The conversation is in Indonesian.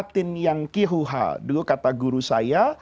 dulu kata guru saya